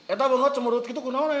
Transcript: itu apa cemurut itu kunaon ya